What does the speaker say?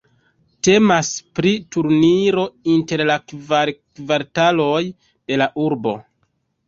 Temas pri turniro inter la kvar kvartaloj de la urbo.